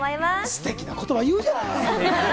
ステキな言葉、言うじゃない！